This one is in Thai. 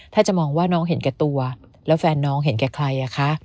ถ้าจะมองว่าน้องเห็นแก่ตัวแล้วแฟนน้องเห็นแก่ใครอ่ะคะ